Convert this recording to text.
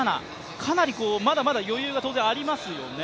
かなりまだまだ余裕が当然、ありますよね。